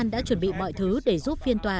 đã bị mọi thứ để giúp phiên tòa